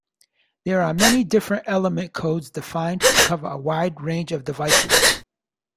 There are many different element codes defined to cover a wide range of devices.